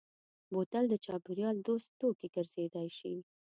بوتل د چاپېریال دوست توکی ګرځېدای شي.